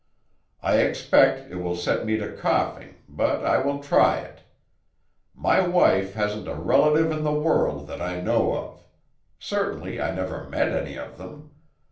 I expect it will set me to coughing, but I will try it. My wife hasn't a relative in the world that I know of; certainly I never met any of them.